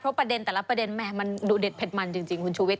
เพราะประเด็นแต่ละประเด็นมันดูเด็ดเผ็ดมันจริงคุณชูวิทย์คะ